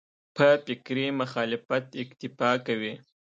په فکري مخالفت اکتفا کوي.